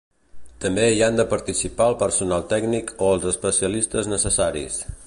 També hi han de participar el personal tècnic o els especialistes necessaris.